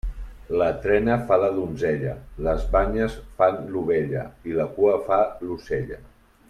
La trena fa la donzella, les banyes fan l'ovella i la cua fa l'ocella.